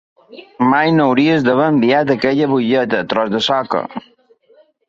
Mai no hauries d'haver enviat aquella butlleta, tros de soca!